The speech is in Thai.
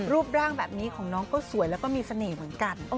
รูปร่างแบบนี้ของน้องก็สวยแล้วก็มีเสน่ห์เหมือนกัน